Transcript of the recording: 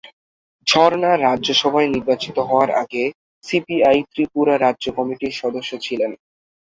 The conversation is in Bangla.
ঝর্ণা রাজ্যসভায় নির্বাচিত হওয়ার আগে সিপিআই ত্রিপুরা রাজ্য কমিটির সদস্য ছিলেন।